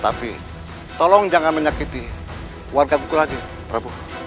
tapi tolong jangan menyakiti warga buku lagi prabu